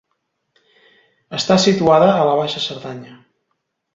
Està situada a la Baixa Cerdanya.